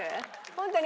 ホントに。